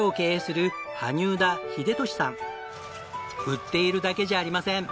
売っているだけじゃありません。